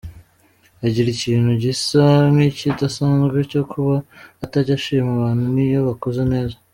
Agira ikintu gisa nk’ikidasanzwe cyo kuba atajya ashima abantu niyo bakoze neza.